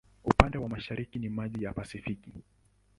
Upande wa mashariki ni maji ya Pasifiki.